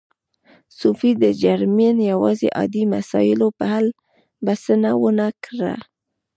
صوفي جرمین یوازې عادي مسایلو په حل بسنه و نه کړه.